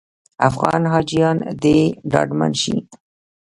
افغان حاجیان دې ډاډمن شي.